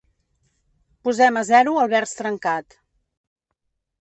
Posem a zero el vers trencat.